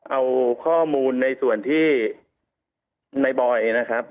เอาข้อมูลในส่วนที่ในบอยนะครับ